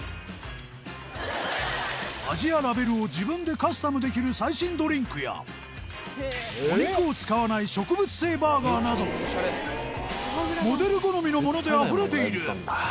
味やラベルを自分でカスタムできる最新ドリンクやお肉を使わない植物性バーガーなどモデル好みのものであふれている